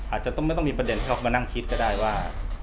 อาจจะต้องไม่ต้องมีประเด็นเข้ามานั่งคิดก็ได้ว่า